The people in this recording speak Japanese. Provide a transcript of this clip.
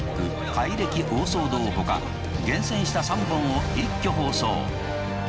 改暦大騒動」ほか厳選した３本を一挙放送。